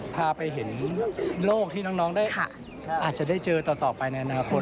พาไปเห็นโลกที่น้องได้อาจจะได้เจอต่อไปในอนาคต